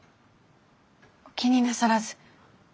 お気になさらず。